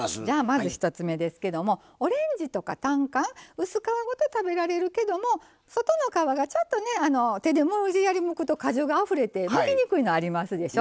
まず１つ目オレンジとかタンカン薄皮ごと食べられるけども外の皮がちょっと手で無理やりむくと果汁があふれて、むきにくいのありますでしょ。